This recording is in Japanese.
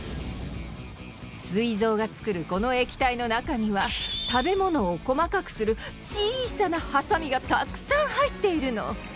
すい臓がつくるこの液体のなかには食べ物をこまかくするちいさなハサミがたくさんはいっているの。